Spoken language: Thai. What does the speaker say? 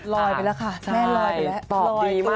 ลอยไปแล้วค่ะแม่ลอยไปแล้ว